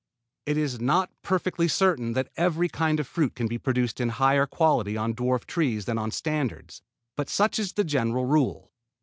_ It is not perfectly certain that every kind of fruit can be produced in higher quality on dwarf trees than on standards, but such is the general rule.